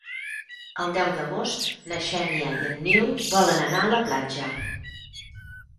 El deu d'agost na Xènia i en Nil volen anar a la platja.